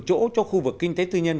chỗ cho khu vực kinh tế tư nhân